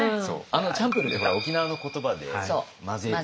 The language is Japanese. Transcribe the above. チャンプルーって沖縄の言葉で混ぜる。